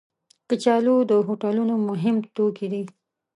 کچالو د هوټلونو مهم توکي دي